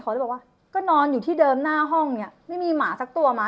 เขาเลยบอกว่าก็นอนอยู่ที่เดิมหน้าห้องเนี่ยไม่มีหมาสักตัวมา